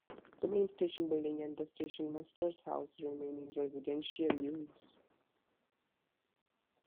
The main station building and the station master's house remain in residential use.